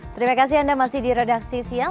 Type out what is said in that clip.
terima kasih anda masih di redaksi siang